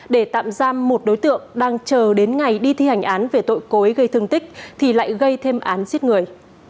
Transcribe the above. để tạm giam một đối tượng đang chờ đến ngày đi thi hành án về tội cối gây thương tích thì lại gây thêm án giết người